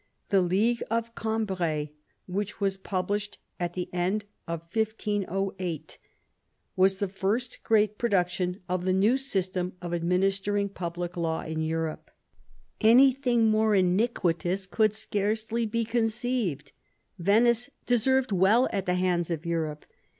The League of Cambrai, which was published at the end of 1508, was the first great production of the new system of administering public law in Europe. Anything more iniquitous could scarcely be conceived. Venice deserved well at the hands of Europe.